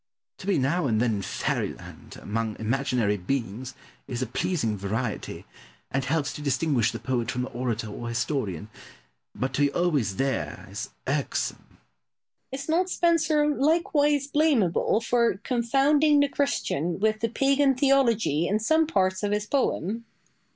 To be now and then in Fairyland, among imaginary beings, is a pleasing variety, and helps to distinguish the poet from the orator or historian, but to be always there is irksome. Boileau. Is not Spenser likewise blamable for confounding the Christian with the Pagan theology in some parts of his poem?